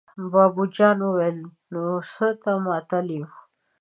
بابو جان وويل: نو څه ته ماتله يو!